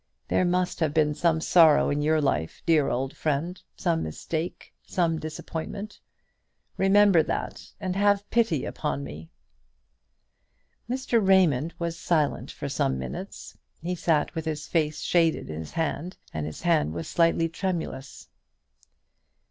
There must have been some sorrow in your life, dear old friend, some mistake, some disappointment. Remember that, and have pity upon me." Mr. Raymond was silent for some minutes; he sat with his face shaded with his hand, and the hand was slightly tremulous.